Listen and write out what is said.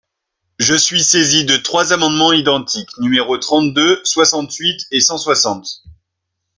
Je suis saisi de trois amendements identiques, numéros trente-deux, soixante-huit et cent soixante.